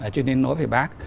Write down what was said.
cho nên nói về bác